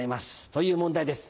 という問題です